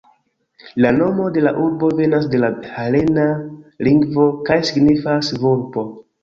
La nomo de la urbo venas de la helena lingvo kaj signifas "vulpo".